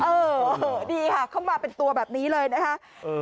เออดีค่ะเข้ามาเป็นตัวแบบนี้เลยนะคะ